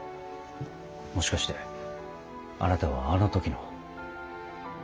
もしかしてあなたはあの時の。